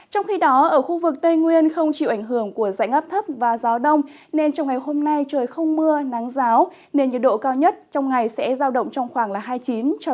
trong khi đó ở khu vực tây nguyên không chịu ảnh hưởng của dãy ngắp thấp và gió đông nên trong ngày hôm nay trời không mưa nắng giáo nên nhiệt độ cao nhất trong ngày sẽ giao động trong khoảng hai mươi chín ba mươi một độ